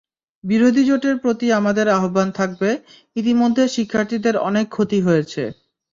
বিরোধী জোটের প্রতি আমাদের আহ্বান থাকবে, ইতিমধ্যে শিক্ষার্থীদের অনেক ক্ষতি হয়েছে।